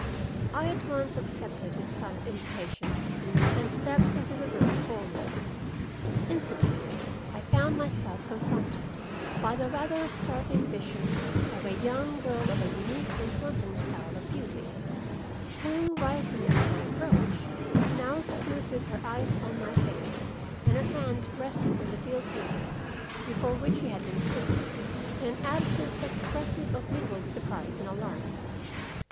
I at once accepted his silent invitation and stepped into the room before me. Instantly I found myself confronted by the rather startling vision of a young girl of a unique and haunting style of beauty, who rising at my approach now stood with her eyes on my face and her hands resting on the deal table before which she had been sitting, in an attitude expressive of mingled surprise and alarm.